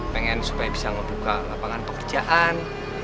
pengen supaya bisa membuka lapangan pekerjaan